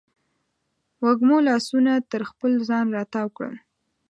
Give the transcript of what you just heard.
وږمو لاسونه تر خپل ځان راتاو کړل